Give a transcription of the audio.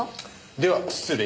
では失礼。